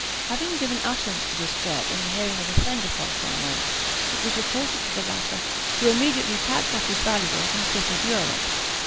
Having given utterance to this threat in the hearing of a friend of Balsamo, it was reported to the latter, who immediately packed up his valuables and quitted Europe.